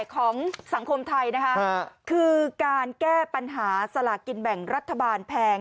ของสังคมไทยนะคะคือการแก้ปัญหาสลากกินแบ่งรัฐบาลแพง